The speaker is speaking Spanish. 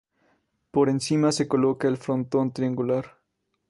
Por encima se coloca el frontón triangular.